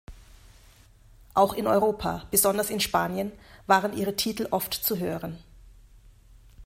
Auch in Europa, besonders in Spanien, waren ihre Titel oft zu hören.